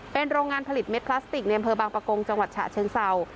เป็นโรงงานผลิตเม็ดพลาสติกในอำเภอบางประกงจังหวัดฉะเชิงเศร้า